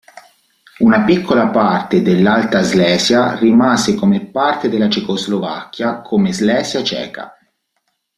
Una piccola parte dell'Alta Slesia rimase come parte della Cecoslovacchia come Slesia ceca.